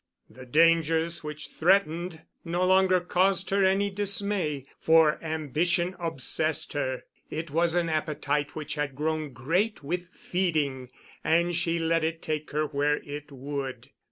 The dangers which threatened no longer caused her any dismay, for ambition obsessed her. It was an appetite which had grown great with feeding, and she let it take her where it would.